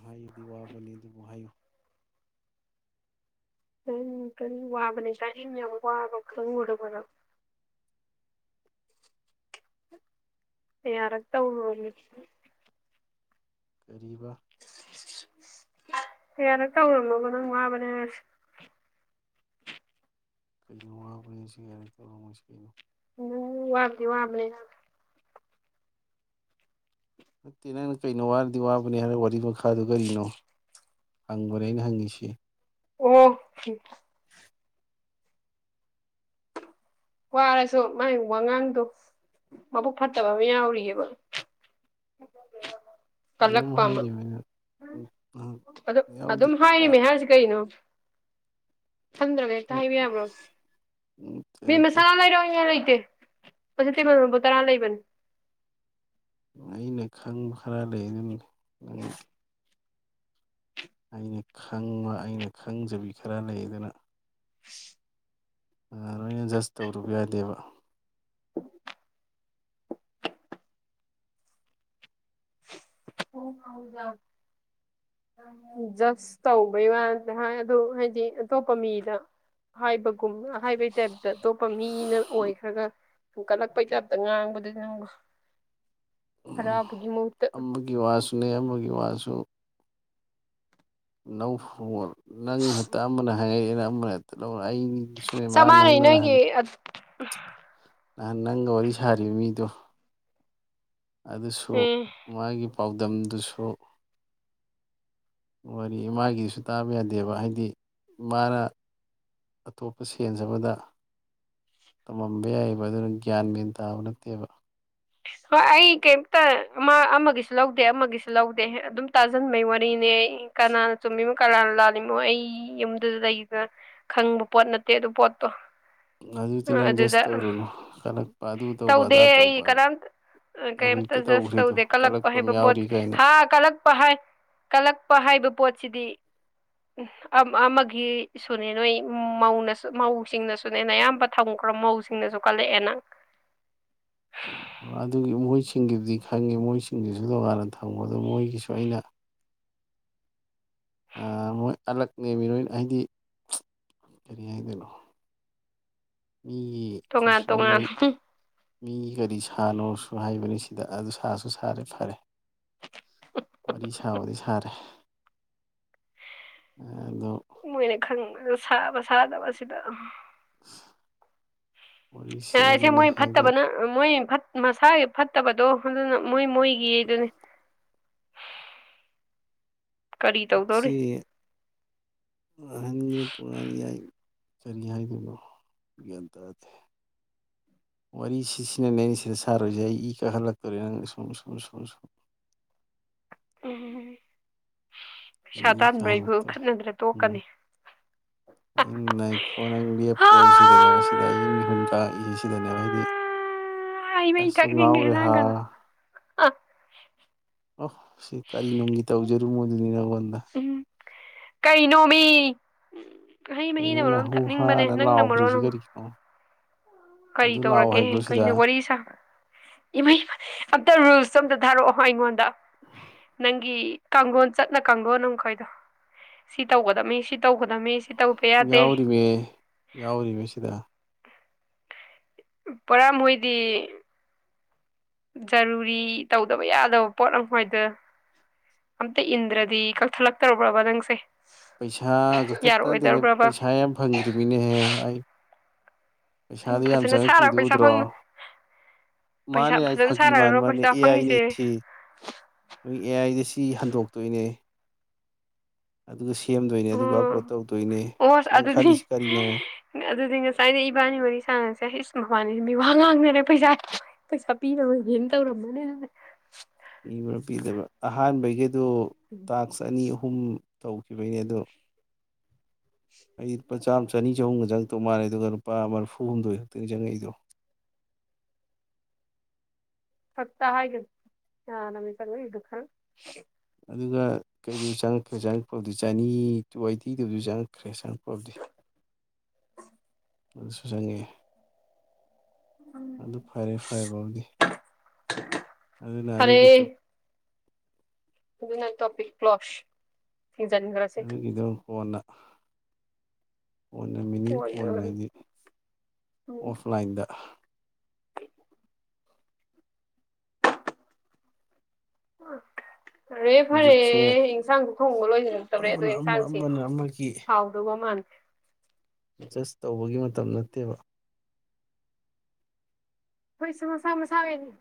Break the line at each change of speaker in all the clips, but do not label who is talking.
ꯍꯥꯏꯨꯗꯤ ꯋꯥꯕꯅꯤꯗꯨꯕꯨ ꯍꯥꯏꯌꯨ
ꯅꯪ ꯀꯔꯤ ꯋꯥꯕꯅꯦ ꯀꯔꯥꯝ ꯌꯥꯝ ꯋꯥꯕ ꯈꯪꯉꯨꯔꯕ ꯅꯪ ꯌꯥꯔꯛꯇꯧ ꯔ ꯑꯣꯏ
ꯀꯔꯤꯕ
ꯀꯌꯥꯔꯛ ꯇꯧꯔꯨꯔꯝꯅꯣꯕ ꯅꯪ ꯋꯥꯕꯅꯦ ꯍꯥꯏꯁ
ꯀꯩꯅꯣ ꯋꯥꯕꯅꯤ ꯁꯤ ꯀꯥꯏꯔ ꯇꯧꯔꯝꯃꯁꯤ ꯀꯩꯅꯣ
ꯎꯝ ꯋꯥꯕꯗꯤ ꯋꯥꯕꯅꯦ
ꯅꯠꯇꯦ ꯅꯪꯅ ꯀꯩꯅꯣ ꯋꯥꯔꯗꯤ ꯋꯥꯕꯅꯤ ꯍꯥꯏꯔꯒ ꯋꯥꯔꯤ ꯃꯈꯥꯗꯨ ꯀꯔꯤꯅꯣ ꯍꯪꯕꯅꯦ ꯑꯩꯅ ꯍꯪꯉꯤꯁꯤ
ꯑꯣ ꯋꯥꯔꯁꯨ ꯃꯥꯥꯏ ꯋꯥꯉꯥꯡꯗꯣ ꯃꯕꯨꯛ ꯐꯠꯇꯕ ꯑꯃ ꯌꯥꯎꯔꯤꯑꯕ [unintelligible]
ꯑꯗꯨꯝ
ꯀꯜꯂꯛꯄ ꯑꯃ
ꯍꯥꯏꯔꯤꯕ ꯑꯩꯅ
ꯑꯗ
ꯌꯥꯎꯗꯦ
ꯑꯗꯨꯝ ꯍꯥꯏꯔꯤꯃꯦ ꯍꯥꯏꯁꯤ ꯀꯩꯅꯣ ꯈꯟꯗꯅ ꯍꯦꯛꯇ
ꯅꯠꯇꯦ
ꯍꯥꯏꯕ ꯌꯥꯕ꯭ꯔꯣ ꯃꯤ
ꯅꯠꯇꯦ
ꯃꯁꯥ ꯂꯩꯔꯣꯏ ꯏ ꯂꯩꯇꯦ ꯄ ꯖ ꯇꯦꯕꯜ ꯔꯄ ꯇꯔꯥ ꯂꯩꯕꯅꯤ
ꯑꯩꯅ ꯈꯪꯕ ꯈꯔ ꯂꯩ ꯑꯗꯨꯅꯅꯤ ꯑꯩꯅ ꯈꯪꯕ ꯑꯩꯅ ꯈꯪꯖꯕꯤ ꯈꯔ ꯂꯩ ꯑꯗꯨꯅ ꯂꯣꯏꯅ ꯖꯁ ꯇꯧꯔꯨꯕ ꯌꯥꯗꯦꯕ
ꯖꯁ ꯇꯧꯕꯩ ꯋꯥꯇꯤ ꯍꯥꯏ ꯑꯗꯨ ꯍꯥꯏꯗꯤ ꯑꯇꯣꯞꯄ ꯃꯤꯗ ꯍꯥꯏꯕꯒꯨꯝ ꯑ ꯍꯥꯏꯕꯩ ꯇꯥꯏꯞꯇ ꯑꯇꯣꯞꯄ ꯃꯤꯅ ꯑꯣꯏꯈ꯭ꯔꯒ ꯀꯠꯂꯛꯄꯩ ꯇꯥꯏꯞꯇ ꯉꯥꯡꯕꯗꯨꯅ ꯅꯪꯕꯨ ꯈꯔꯞꯒꯤ ꯃꯨꯛꯇ
ꯒꯤ ꯋꯥꯁꯨꯅꯦ ꯑꯃꯒꯤ ꯋꯥꯁꯨ ꯅꯧꯐ ꯋꯜ ꯅꯪ ꯍꯦꯇꯥ ꯑꯃꯅ ꯑ ꯍꯦ ꯅ ꯑꯃꯥꯅ ꯍꯦꯛꯇ ꯂꯧ ꯑꯩ ꯁꯨꯔꯦ
ꯆꯞ
ꯃꯥꯅ
ꯃꯥꯟꯅꯩ
ꯍꯪꯅ ꯅꯔ
ꯅꯣꯏꯒꯤ ꯑꯦ
ꯅꯍꯥꯟ ꯅꯪꯒ ꯋꯥꯔꯤ ꯁꯥꯔꯤꯕ ꯃꯤꯗꯣ ꯑꯗꯨꯁꯨ ꯃꯥꯒꯤ ꯄꯥꯎꯗꯝꯗꯨꯁꯨ ꯋꯥꯔꯤ ꯏꯃꯥꯒꯤꯁꯨ ꯇꯥꯕ ꯌꯥꯗꯦꯕ ꯍꯥꯏꯗꯤ ꯏꯃꯥꯅ ꯑꯇꯣꯞꯄ ꯁꯦꯟꯖꯕꯗ ꯇꯝꯃꯝꯕ ꯌꯥꯏ ꯕꯗꯔ ꯒ꯭ꯌꯥꯟ ꯃꯦꯟ ꯇꯥꯕ ꯅꯠꯇꯦꯕ
ꯍꯣꯏ ꯑꯩ ꯀꯩꯝꯇ ꯃꯥ ꯑꯃꯒꯤꯁꯨ ꯂꯧꯗꯦ ꯑꯃꯒꯤꯁꯨ ꯂꯧꯗꯦ ꯑꯗꯨꯝ ꯇꯥꯖꯤꯟꯕꯩ ꯋꯥꯔꯤꯅꯦ ꯑꯩ ꯀꯅꯥꯅ ꯆꯨꯝꯃꯤꯃꯣ ꯀꯅꯥꯅ ꯂꯥꯜꯂꯤꯃꯣ ꯑꯩ ꯌꯨꯝꯗꯖꯨ ꯂꯩꯕ ꯈꯪꯕ ꯄꯣꯠ ꯅꯠꯇꯦ ꯑꯗꯨ ꯄꯣꯠꯇꯣ
ꯑꯗꯨꯗꯤ ꯅꯪ ꯖꯁ
ꯑꯗꯨꯗ
ꯇꯧꯔꯨꯅꯨ ꯀꯜꯂꯛꯄ ꯑꯗꯨ ꯇꯧꯕ ꯑꯗꯥ ꯇꯧꯕ
ꯀꯝꯇ ꯑ ꯀꯧꯏꯝꯇ
ꯍꯧꯖꯤꯛꯇ
ꯖꯁ
ꯇꯧꯈ꯭ꯔꯤꯗꯣ
ꯇꯧꯗꯦ ꯀꯂꯛꯄ
ꯀꯜꯂꯛꯄ ꯑꯃ
ꯍꯥꯏꯕ
ꯌꯥꯎꯔꯤ
ꯄꯣꯠꯁ
ꯀꯥꯏꯅ
ꯍ ꯀꯂꯛꯄ ꯍꯥꯏ ꯀꯂꯛꯄ ꯍꯥꯏ ꯑꯗꯨ ꯄꯣꯠꯁꯤꯗꯤ꯫ ꯎ ꯑꯃꯒꯤꯁꯨꯅꯦ ꯅꯣꯏ ꯃꯧꯅꯁꯨ ꯃꯧꯁꯤꯡꯅꯁꯨꯅꯦꯅ ꯑꯌꯥꯝꯕ ꯊꯝꯈ꯭ꯔꯣ ꯃꯧꯁꯤꯡꯅꯁꯨ ꯀꯜꯂꯛꯑꯦ ꯅꯪ꯫
ꯑꯗꯨꯒꯤ ꯃꯣꯏꯁꯤꯡꯒꯤꯕꯨꯗꯤ ꯈꯪꯉꯦ ꯃꯣꯏꯁꯤꯡꯗꯨꯁꯨ ꯇꯣꯉꯥꯟꯅ ꯊꯝꯃꯣ ꯑꯗ ꯃꯣꯏꯒꯤꯁꯨ ꯑꯩꯅ꯫ ꯃꯣꯏ ꯑꯂꯛꯅꯦꯃꯦꯔꯣꯏ ꯑꯩꯗꯤ ꯀꯔꯤ ꯍꯥꯏꯗꯣꯏꯅꯣ꯫ ꯃꯤꯒꯤ
ꯇꯣꯉꯥꯟ
ꯄꯔꯁꯣꯅꯦꯜ
ꯇꯣꯉꯥꯟ꯫
ꯋꯥꯔꯤ ꯃꯤ ꯀꯔꯤ ꯁꯥꯅꯣꯁꯨ ꯍꯥꯏꯕꯅꯤ ꯁꯤꯗ ꯑꯗꯨ ꯁꯥꯁꯨ ꯁꯥꯔꯦ ꯐꯔꯦ ꯋꯥꯔꯤ ꯁꯥꯕꯗꯤ ꯁꯥꯔꯦ꯫
ꯃꯣꯏꯅ ꯈꯪꯕꯔ ꯁꯥꯕ ꯁꯥꯗꯕꯁꯤꯗ꯫
ꯋꯥꯔꯤꯁꯦ
ꯍꯦꯔꯥꯁꯦ
ꯑꯗꯨꯅꯤ
ꯃꯣꯏ
ꯍꯥꯏꯗꯤ
ꯐꯠꯇꯕꯅ ꯃꯣꯏ꯫ ꯃꯁꯥꯒꯤ ꯐꯠꯇꯕꯗꯣ ꯑꯗꯨꯅ ꯃꯣꯏ ꯃꯣꯏꯒꯤꯗꯨꯅꯤ꯫
ꯎꯆꯤ ꯑꯍ [unintelligible] ꯄꯨꯔ ꯌꯥꯏ꯫ ꯀꯔꯤ ꯍꯥꯏꯗꯣꯏꯅꯣ ꯒ꯭ꯌꯥꯟ ꯇꯥꯗꯦ ꯋꯥꯔꯤꯁꯤꯁꯤꯅꯅꯦ ꯑꯩꯅ ꯁꯤꯗ ꯁꯥꯔꯣꯏꯁꯦ ꯑꯩ ꯏ ꯀꯛꯍꯜꯂꯛꯇꯣꯔꯦ ꯅꯪ ꯁꯨꯝ ꯁꯨꯝ ꯁꯨꯝ ꯁꯨꯝ꯫
ꯎꯝ꯫
ꯏ
ꯄꯩꯁꯥ ꯇꯥꯟꯕꯩꯕꯨ
ꯀꯍꯜꯛꯇꯣꯔꯦ
ꯈꯠꯅꯗ꯭ꯔ
ꯎꯝ
ꯇꯣꯛꯀꯅꯤ
ꯑꯩ ꯅꯥꯏꯈꯣꯅꯪ ꯂꯦꯞꯄꯣꯍꯥꯏꯔꯤ ꯁꯤꯗꯅꯦ ꯁꯤꯗ ꯑꯩ ꯃꯤꯍꯨꯟ ꯀꯥꯛꯏ ꯁꯤꯗꯅꯦ ꯍꯥꯏꯗꯤ꯫
ꯍꯩ ꯃꯍꯤ
ꯑꯩꯁꯨ
ꯊꯛꯅꯤꯡꯉꯦ
ꯉꯥꯎꯔꯦꯍꯥ
ꯅꯪꯒꯅ ꯑ
ꯑꯣ ꯁꯤ ꯀꯔꯤ ꯅꯨꯡꯒꯤ ꯇꯧꯖꯔꯨ ꯇꯨꯝꯃꯣꯗꯨꯗꯤ ꯅꯉꯣꯟ
ꯎꯝ꯫ ꯀꯩꯅꯣꯃꯤ꯫ ꯍꯩ ꯃꯍꯤꯅ
ꯀꯩꯅꯣꯅ
ꯃꯔꯣꯝ
ꯍꯨ
ꯊꯛꯅꯤꯡꯕꯅꯦ
ꯍꯥꯅ
ꯅꯪꯅ ꯃꯔꯣ
ꯂꯥꯎꯈ꯭ꯔꯤꯁꯤ
ꯑꯃ꯫
ꯀꯔꯤꯒꯤꯅꯣ
ꯀꯔꯤ
ꯑꯗꯨ ꯂꯥꯎ
ꯇꯧꯔꯒꯦ
ꯍꯥꯏꯕ꯭ꯔꯣ ꯁꯤꯗ
ꯀꯩꯅ ꯋꯥꯔꯤ ꯁꯥ ꯏꯃꯩꯃ ꯑꯞꯇ ꯔꯨꯁ꯫ ꯁꯨꯝꯗ ꯊꯥꯔꯛꯑꯣ ꯑꯩꯉꯣꯟꯗ ꯅꯪꯒꯤ ꯀꯥꯡꯂꯣꯟ ꯆꯠꯅ ꯀꯥꯡꯂꯣꯟ ꯑꯃꯈꯣꯏꯗꯣ ꯁꯤ ꯇꯧꯒꯗꯝꯕꯅꯤ ꯁꯤ ꯇꯧꯒꯗꯝꯕꯅꯤ꯫
ꯌꯥꯎꯔꯤꯃꯦ ꯌꯥꯎꯔꯤꯃꯦ ꯁꯤꯗ꯫
ꯄꯨꯔꯥ ꯃꯣꯏꯗꯤ꯫ ꯖꯔꯨꯔꯤ ꯇꯧꯗꯕ ꯌꯥꯗꯕ ꯄꯣꯠ ꯑꯃꯈꯣꯏꯗ ꯑꯝꯇ ꯏꯟꯗ꯭ꯔꯗꯤ ꯀꯛꯊꯠꯂꯛꯇ꯭ꯔꯔꯕ꯭ꯔꯕ ꯅꯪꯁꯦ꯫
ꯄꯩꯁꯥ ꯀꯛꯊꯠꯄꯅꯗꯦꯅꯦ
ꯌꯥꯔꯛꯑꯣꯏꯗꯧꯔꯕ꯭ꯔꯕ
ꯄꯩꯁꯥ ꯌꯥꯝ ꯐꯪꯗ꯭ꯔꯤꯃꯤꯅꯦꯍꯦ ꯑꯩ꯫ ꯄꯩꯁꯥꯗꯨꯣ ꯌꯥꯝ
ꯐꯖꯅ ꯁꯥꯔꯒ
ꯆꯪꯉꯛꯇ꯭ꯔꯤꯗꯨ
ꯄꯩꯁꯥ
ꯎꯗ꯭ꯔꯣ
ꯐꯪ ꯄꯩꯁꯥ
ꯃꯥꯅꯦ ꯑꯩ
ꯐꯖꯅ
ꯐꯥꯀꯤ ꯃꯥꯟ
ꯁꯥꯔꯒꯔꯣ
ꯃꯥꯅꯦ
ꯄꯩꯁꯥ
ꯑꯦ ꯑꯥꯏꯅꯦ
ꯐꯪꯉꯤꯁꯦ
ꯁꯤ [unintelligible] ꯑꯦ ꯑꯥꯏꯗ ꯁꯤ꯫ ꯏ ꯍꯟꯗꯣꯛꯇꯣꯏꯅꯦ꯫ ꯑꯗꯨꯒ ꯁꯦꯝꯗꯣꯏꯅꯦ ꯑꯗꯨꯒ ꯑꯞꯂꯣꯗ ꯇꯧꯗꯣꯏꯅꯦ
ꯑꯣ ꯑꯣꯁ
ꯅꯪ
ꯑꯗꯨꯗꯤ
ꯈꯜꯂꯤꯁꯤ ꯀꯔꯤꯅꯣ
ꯑꯗꯨꯗꯤ ꯉꯁꯥꯏ ꯑꯩꯅ ꯏꯕꯥꯅꯤ ꯋꯥꯔꯤ ꯁꯥꯟꯅꯁꯦ ꯍꯤꯁ ꯃꯕꯥꯅꯤ꯫ ꯃꯤ ꯋꯥ ꯉꯥꯡꯅꯔꯦ ꯄꯩꯁꯥ ꯄꯩꯁꯥ ꯄꯤꯔꯔꯣꯏꯒꯦꯅ ꯇꯧꯔꯃꯅꯦ꯫
ꯄꯤꯕ꯭ꯔꯥ ꯄꯤꯗꯕ ꯑꯍꯥꯟꯕꯒꯤ꯫ ꯗꯨ ꯇꯥꯛꯁ ꯑꯅꯤ ꯑꯍꯨꯝ꯫ ꯇꯧꯈꯤꯕꯩꯅꯦ ꯑꯗꯣ꯫ ꯑꯩ ꯂꯨꯄꯥ ꯆꯥꯝꯃ ꯆꯅꯤ ꯆꯍꯨꯝꯒ ꯆꯪꯉꯛꯇꯧ ꯃꯥꯜꯂꯦ ꯑꯗꯨꯒ ꯂꯨꯄꯥ ꯃ꯭ꯔꯐꯨ ꯍꯨꯝꯗꯣꯏ ꯈꯛꯇꯪ ꯆꯪꯉꯛꯏꯗꯣ꯫
ꯐꯠꯇ ꯍꯥꯏ [unintelligible] ꯏꯗꯨ ꯈꯔ꯫
ꯑꯗꯨꯒ ꯀꯩꯗꯨ ꯆꯪꯉꯛꯈ꯭ꯔꯦ ꯆꯪꯉꯛꯄꯕꯨꯗꯤ ꯆꯅꯤ ꯇꯨ ꯑꯩꯇꯤꯗꯕꯨꯗꯤ ꯆꯪꯉꯛꯈ꯭ꯔꯦ ꯆꯪꯉꯛꯄꯕꯨꯗꯤ ꯑꯗꯨꯁꯨ ꯆꯪꯉꯛꯑꯦ꯫ ꯑꯗꯨ ꯐꯔꯦ ꯐꯔꯦ ꯐꯥꯎꯗꯤ꯫ ꯑꯗꯨꯂ
ꯐꯔꯦ
ꯑꯗꯨꯒꯤꯠꯇꯣ
ꯑꯗꯨꯅ ꯇꯣꯄꯤꯛ ꯀ꯭ꯂ꯭ꯂꯣꯁ
ꯑꯗꯨꯒꯤꯗꯣ ꯍꯣꯟꯅ ꯀꯣꯟꯅ ꯃꯤꯅꯤꯡ ꯀꯣꯟꯅ ꯍꯥꯏꯅꯤ ꯑꯣꯐꯂꯥꯏꯟꯗ
ꯎ ꯑꯔꯦ ꯐꯔꯦ
ꯍꯧꯖꯤꯛꯁꯦ
ꯏꯟꯁꯥꯡꯁꯨ ꯊꯣꯡꯕ ꯂꯣꯏꯁꯤꯂꯛꯇꯕ꯭ꯔꯦ ꯑꯗꯣ
ꯑꯃꯅ ꯑꯃ
ꯏꯟꯁꯥꯡꯁꯦ
ꯑꯃꯅ ꯑꯃꯒꯤ
ꯊꯥꯎꯗꯧꯕ ꯃꯥꯟꯦ
ꯖꯁ ꯇꯧꯕꯒꯤ ꯃꯇꯝ ꯅꯠꯇꯦꯕ
ꯍꯣꯏꯁꯨ ꯃꯁꯥ ꯃꯁꯥꯦꯅꯤ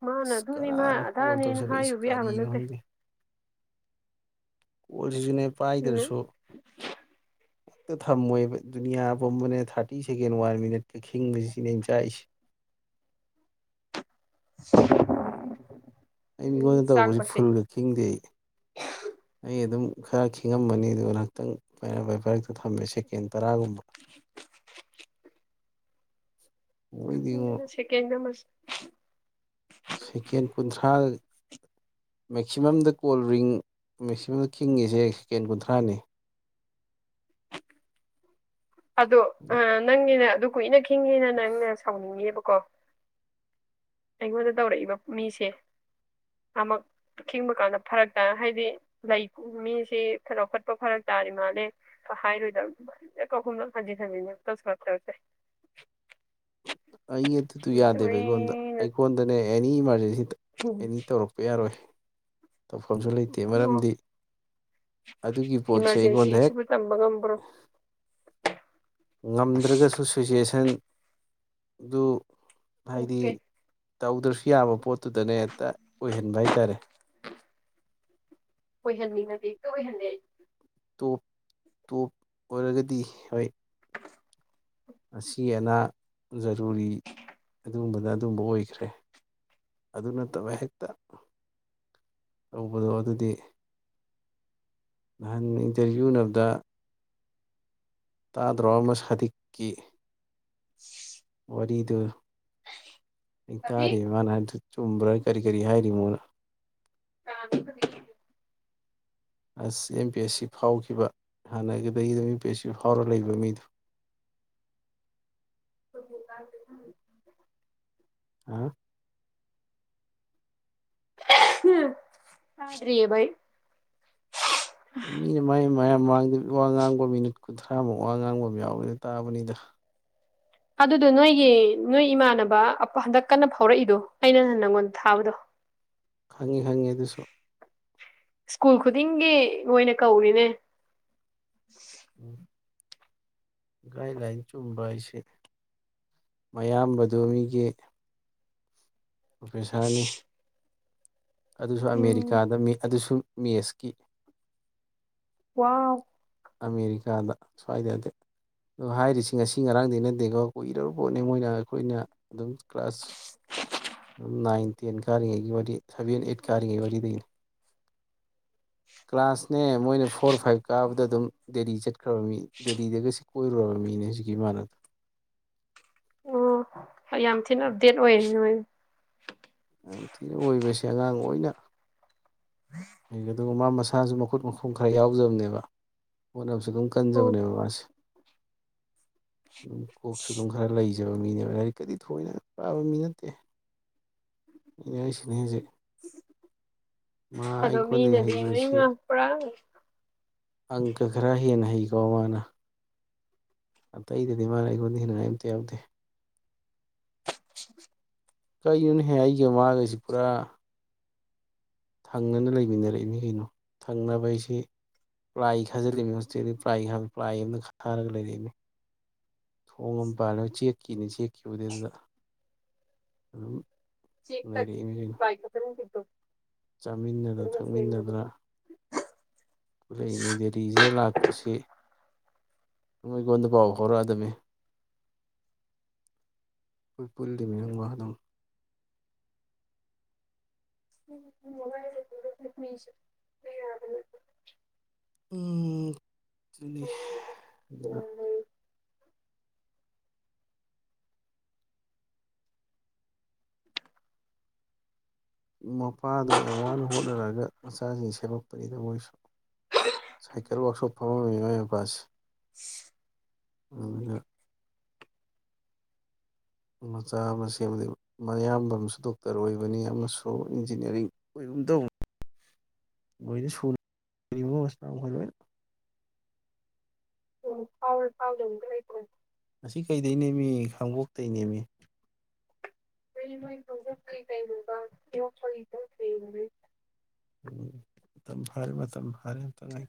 ꯃꯥꯅ
ꯑꯁ
ꯑꯗꯨꯅꯤ
ꯀꯅꯥꯅꯣ
ꯃꯥ
ꯀꯣꯜ
ꯑꯗꯥꯥꯅꯦꯅ
ꯇꯧꯁꯜꯂꯛꯏꯁꯤ
ꯍꯥꯏꯌꯨꯕ ꯌꯥꯕ
ꯀꯔꯤꯅꯣ
ꯅꯠꯇꯦ
ꯑꯣꯁꯤꯅꯦ
ꯑꯗꯨꯅ
ꯄꯥꯏꯗ꯭ꯔꯁꯨ ꯊꯝꯃꯣꯏꯕ ꯗꯨꯅꯤꯌꯥ ꯄꯕꯅꯦ ꯊꯥꯔꯇꯤ ꯁꯦꯀꯦꯟ ꯋꯥꯟ ꯃꯤꯅꯤꯠꯀ ꯈꯤꯡꯕꯁꯤ ꯁꯤꯅꯦ ꯆꯥꯏꯁꯦ
[inaudible]
ꯑꯩ
ꯎꯝ
ꯃꯤꯉꯣꯟꯗ ꯇꯧꯕꯁꯤ
ꯆꯥꯛꯄꯁꯦ
ꯐꯨꯔꯨꯅꯈꯤꯡꯗꯦ ꯑꯩ ꯑꯗꯨꯝ ꯈꯔ ꯈꯤꯡꯉꯝꯒꯅꯤ ꯑꯗꯨꯒ ꯅꯛꯇꯪ ꯐꯔ ꯐꯣꯏ ꯄꯔꯤꯛꯇ ꯊꯝꯃꯦ ꯁꯦꯀꯦꯟ ꯇꯔꯥꯒꯨꯝꯕ ꯃꯣꯏꯗꯤ ꯉꯣ
ꯎꯟꯅ ꯁꯦꯀꯦꯟ ꯅ ꯃꯁ
ꯁꯦꯀꯦꯟ ꯀꯨꯟꯊ꯭ꯔꯥ ꯃꯦꯛꯁꯤꯃꯝꯗ ꯀꯣꯜ ꯔꯤꯡ ꯃꯦꯛꯁꯤꯃꯝꯗ ꯈꯤꯡꯉꯤꯁꯦ ꯁꯦꯀꯦꯟ ꯀꯨꯟꯊ꯭ꯔꯥꯅꯤ
ꯑꯗ ꯑ ꯅꯪꯒꯤꯅ ꯑꯗꯨ ꯀꯣꯏꯅ ꯍꯤꯡꯉꯦꯅ ꯅꯪꯅ ꯁꯥꯎꯅꯤꯡꯉꯦꯕ ꯀꫭ ꯑꯩꯉꯣꯟꯗ ꯇꯧꯔꯛꯏꯕ ꯃꯤꯁꯦ ꯑꯃꯨꯛ ꯈꯤꯡꯕ ꯀꯥꯟꯗ ꯐꯔꯛ ꯇꯥ ꯍꯥꯏꯗꯤ ꯂꯩ ꯃꯤꯁꯤ ꯆꯥꯎꯈꯠꯄ ꯐꯔꯛ ꯇꯥꯔꯤ ꯃꯥꯜꯂꯦ ꯍꯥꯏꯔꯣꯏꯗꯕ ꯀꯥꯎꯈꯨꯝꯂ ꯍꯟꯖꯤꯟ ꯍꯟꯖꯤꯟ ꯇꯧꯁꯤꯂꯞ ꯇꯧꯁꯦ
ꯑꯗꯤ ꯇꯨ ꯌꯥꯗꯦꯕꯩꯒꯣꯣꯟꯗ ꯐꯣꯟꯗꯅꯦ ꯑꯦꯅꯤ ꯏꯃꯥꯔꯖꯦꯟꯁꯤ ꯑꯦꯅꯤ ꯇꯧꯔꯛꯄ ꯌꯥꯔꯣꯏ ꯇ
ꯑꯣ
ꯑꯗꯨꯒꯤ ꯄꯣꯠꯁꯦ ꯑꯩꯉꯣꯟꯗ ꯍꯦꯛ
ꯏꯃꯥꯔꯖꯦꯟꯁꯤꯁꯤꯕꯨ ꯇꯝꯕ ꯉꯝꯕ꯭ꯔꯣ
ꯉꯝꯗ꯭ꯔꯒꯁꯨ ꯁꯤꯆꯨꯋꯦꯁꯟ ꯑꯗꯨ ꯍꯥꯏꯗꯤ
ꯑꯣꯀꯦ
ꯇꯧꯗ꯭ꯔꯁꯤ ꯌꯥꯕ ꯄꯣꯠꯇꯨꯗꯅꯦ ꯍꯦꯛꯇ ꯑꯣꯏꯍꯟꯕ ꯍꯥꯏꯇꯥꯔꯦ
ꯑꫭꯏꯍꯟ ꯅꯤꯛꯉꯗꯤ ꯌꯦꯛꯇ ꯑꫭꯏꯍꯜꯂꯦ
ꯇꯣꯞ ꯇꯣꯞ ꯑꯣꯏꯔꯒꯗꯤ ꯍꯣꯏ ꯑꯁꯤ ꯑꯅꯥ ꯖꯔꯨꯔꯤ ꯑꯗꯨꯒꯨꯝꯕꯅ ꯑꯗꯨꯝꯕ ꯑꯣꯏꯈ꯭ꯔꯦ ꯑꯗꯨ ꯅꯠꯇꯕ ꯍꯦꯛꯇ ꯇꯧꯕꯗꯣ ꯑꯗꯨꯗꯤ ꯅꯍꯥꯟ ꯏꯟꯇꯔꯚꯤꯌꯨꯕꯗ ꯇꯥꯗ꯭ꯔꯣ ꯑꯃ ꯁꯥꯗꯤꯛꯀꯤ ꯋꯥꯔꯤꯗꯨ ꯑꯩ ꯇꯥꯔꯤ ꯃꯥꯅ ꯍꯥꯏꯗꯨ ꯆꯨꯝꯕ꯭ꯔꯥ ꯀꯔꯤ ꯀꯔꯤ ꯍꯥꯏꯔꯤꯃꯣꯅ
ꯑ
ꯑꯁ ꯑꯦꯝ ꯄꯤ ꯑꯦꯁ ꯁꯤ ꯐꯥꯎꯈꯤꯕ ꯍꯥꯟꯅꯒꯤꯗꯒꯤ ꯑꯗꯨ ꯑꯦꯝ ꯄꯤ ꯑꯦꯁ ꯁꯤ ꯐꯥꯎꯔ ꯂꯩꯕ ꯃꯤꯗꯨꯣ
[inaudible]
ꯑ
ꯎꯌꯦ ꯏ
ꯃꯤꯅ ꯃꯥꯏ ꯃꯌꯥꯝ ꯃꯃꯥꯡꯗ ꯋꯥ ꯉꯥꯡꯕ ꯃꯤꯅꯤꯠ ꯀꯨꯟꯊ꯭ꯔꯥꯃꯨꯛ ꯋꯥ ꯉꯥꯡꯕꯝ ꯌꯥꯎꯋꯂ ꯇꯥꯕꯅꯤꯗ
ꯑꯗꯨꯗꯣ ꯅꯣꯏꯒꯤ ꯅꯣꯏ ꯏꯃꯥꯟꯅꯕ ꯑꯄ ꯍꯟꯗꯛ ꯀꯟꯅ ꯐꯥꯎꯔꯛꯏꯗꯣ ꯑꯩꯅ ꯅꯪꯉꯣꯟꯗ ꯊꯥꯕꯗꯨ
ꯈꯪꯉꯤ ꯈꯪꯉꯤ ꯑꯗꯨꯁꯨ
ꯁ꯭ꯀꯨꯜ ꯈꯨꯗꯤꯡꯒꯤ ꯃꯣꯏꯅ ꯀꯧꯔꯤꯅꯦ
ꯎꯝ ꯒꯥꯏꯗꯂꯥꯏꯟ ꯆꯨꯝꯕ ꯍꯥꯏꯁꯦ ꯃꯌꯥꯝꯕꯗꯣ ꯃꯤꯒꯤ ꯄꯣꯐꯦꯁꯔꯅꯤ ꯑꯗꯨꯁꯨ
ꯎꯝ
ꯑꯃꯦꯔꯤꯀꯥꯗ ꯃꯤ ꯑꯗꯨꯁꯨ ꯃꯦꯁꯀꯤ
ꯋꯥꯑꯣ
ꯑꯃꯦꯔꯤꯀꯥꯗ ꯁ꯭ꯋꯥꯏꯗ ꯅꯇꯦ ꯑꯗꯣ ꯍꯥꯏꯔꯤꯁꯤ ꯉꯁꯤ ꯉꯔꯥꯡꯗꯤ ꯅꯠꯇꯦꯀꯣ ꯀꯨꯏꯔꯨ ꯄꯣꯠꯅꯦ ꯃꯣꯏꯅ ꯑꯩꯈꯣꯏꯅ ꯑꯗꯨꯝ ꯀ꯭ꯂꯥꯁ ꯅꯥꯏꯟꯊ ꯇꯦꯟ ꯀꯥꯔꯤꯉꯩꯒꯤ ꯋꯥꯔꯤ ꯁꯕꯦꯟ ꯑꯩꯠ ꯀꯥꯔꯤꯉꯩ ꯋꯥꯔꯤꯗꯒꯤꯅꯤ ꯀ꯭ꯂꯥꯁ ꯅꯦ ꯃꯣꯏꯅ ꯐꯣꯔ ꯐꯥꯏꯚ ꯀꯥꯕꯗ ꯑꯗꯨꯝ ꯗꯦꯂꯤ ꯆꯠ [unintelligible] ꯗꯦꯜꯂꯤꯗꯒꯁꯤ ꯀꯣꯏꯔꯣꯕ ꯃꯤꯅꯦ ꯍꯧꯖꯤꯒꯤ ꯏꯃꯥꯟꯅꯕꯇꯨ꯫
ꯑꯣ ꯍꯩ ꯌꯥꯝ ꯊꯤꯅ ꯑꯞꯗꯦꯠ ꯑꯣꯏꯁꯤꯅꯤ ꯃꯣꯏ꯫
ꯌꯥꯝ ꯊꯤꯅ ꯑꯣꯏꯕꯁꯦ ꯑꯉꯥꯡ ꯑꯣꯏꯅ ꯑꯩꯂꯕ [unintelligible] ꯑꯗꯨꯒ ꯃꯥ ꯃꯁꯥꯁꯨ ꯃꯈꯨꯠ ꯃꯈꯣꯡ ꯈꯔ ꯌꯥꯎꯖꯕꯅꯦꯕ ꯍꯣꯠꯅꯕꯁꯨ ꯑꯗꯨꯝ
ꯑꯣ
ꯀꯟꯖꯕꯅꯦꯕ ꯃꯥꯁꯦ꯫ ꯝ ꯀꯣꯛꯁꯨ ꯑꯗꯨꯝ ꯈꯔ ꯂꯩꯖꯕ ꯃꯤꯅꯦꯕ ꯂꯥꯏꯔꯤꯛꯀꯗꯤ ꯊꯣꯏꯅ ꯄꯥꯕ ꯃꯤ ꯅꯠꯇꯦ ꯏ ꯁꯅꯦꯁꯦ
ꯑꯗꯣ ꯃꯤ ꯅꯗꯤ ꯑ ꯃꯄꯔꯥ
ꯑꯪꯀ ꯈ꯭ꯔ ꯌꯦꯅ ꯍꯒ ꯔꯣꯃꯅ ꯑꯇꯩ ꯑꯩꯗꯗꯤ ꯃꯥꯅ ꯑꯩ ꯈꯣꯟꯗꯤ ꯍꯦꯅꯉꯥꯏꯝꯇ ꯌꯥꯎꯗꯦ
[inaudible]
ꯀꯔꯤꯨꯅꯍꯦ ꯑꯩꯒ ꯃꯥꯒꯁꯤ ꯄꯨꯔꯥ ꯊꯪꯅꯅ ꯂꯩꯃꯤꯟꯅꯔꯛꯏꯃꯤ ꯀꯩꯅꯣ ꯊꯪꯅꯕ ꯑꯩꯁꯦ ꯄ꯭ꯂꯥꯏ ꯈꯥꯖꯤꯜꯂꯤꯅꯤ ꯍꯧꯣꯖꯤꯇꯦꯜꯗꯤ ꯄ꯭ꯂꯥꯏꯕ ꯄ꯭ꯂꯥꯏ ꯑꯃꯗ ꯊꯥꯔꯒ ꯂꯩꯔꯛꯏꯅꯤ ꯊꯣꯡ ꯑꯃ ꯄꯥꯜꯂ ꯆꯦꯛꯈꯤꯅꯤ ꯆꯦꯛꯈꯤꯕꯗꯤ ꯑꯗꯨꯗ ꯑꯗꯨꯝ
ꯆ ꯇ ꯄꯥꯏ ꯈ
ꯆꯥꯃꯤꯟꯅꯗ꯭ꯔ ꯊꯛꯃꯤꯟꯅꯗ꯭ꯔꯥ ꯂꯥꯛꯄꯁꯤ ꯑꯗꯨꯝ ꯑꯩꯉꯣꯟꯗ ꯄꯥꯎ ꯍꯧꯥꯎꯔꯛꯑꯗꯃꯤ ꯄꯨꯜꯗꯤꯃꯤ ꯍꯣꯡꯕ ꯑꯗꯨꯝ
ꯎ ꯌꯥ
ꯎꯝ ꯆꯅꯤ ꯑꯗꯨ ꯃꯄꯥꯗꯨ ꯌꯥꯝ ꯋꯥꯅ ꯍꯣꯠꯅꯔꯒ ꯃꯆꯥꯁꯤꯡ ꯁꯦꯝꯃꯛꯄꯅꯤꯗ ꯃꯣꯏꯁꯨ ꯁꯥꯏꯀꯦꯜꯕꯥꯛꯁꯞ ꯐꯃ ꯃꯤ ꯃ ꯄꯁ ꯑꯗꯨ ꯃꯆꯥ ꯑꯃꯁ ꯑꯃꯗꯤ ꯃꯌꯥꯝꯕ ꯑꯃꯁꯨ ꯗꯣꯛꯇꯔ ꯑꯣꯏꯕꯅꯤ ꯑꯃꯁꯨ ꯏꯟꯖꯤꯅꯤꯌꯥꯔꯤꯡ ꯑꯣꯏꯕ ꯇꯅꯤ ꯂꯣꯏꯅ ꯁ ꯂꯣꯏꯅ
ꯎ ꯐꯥꯎ ꯐꯥꯎꯂꯒ ꯂꯩ
ꯉ ꯀꯩꯗꯩ ꯅꯦꯝꯃꯤ ꯈꯥꯡꯕꯣꯛꯇꯒꯤ ꯅꯦꯝꯃꯤ
ꯃ ꯍꯧꯖ ꯀꯩ ꯀ ꯐꯗ
ꯎꯝ ꯃꯇꯝ ꯐꯥꯔꯦ ꯃꯇꯝ ꯐꯥꯔꯦ ꯑꯝꯇ ꯉꯥꯏ